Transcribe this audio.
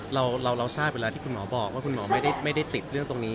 เราทราบคุณหมอว่าไม่ได้ติดเรื่องตรงนี้